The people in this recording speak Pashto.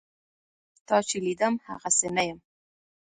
تا چې لیدم هغسې نه یم.